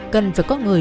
cần phải có người